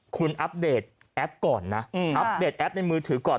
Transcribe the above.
คุณอัปเดตแอปก่อนนะอัปเดตแอปในมือถือก่อน